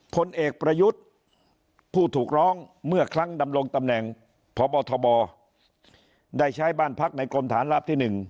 ผลเอกประยุทธ์ผู้ถูกร้องเมื่อครั้งดำรงตำแหน่งพบทบได้ใช้บ้านพักในกรมฐานราบที่๑